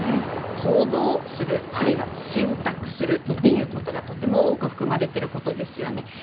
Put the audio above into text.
行動する、あるいは選択するっていうことがとても多く含まれていますよね。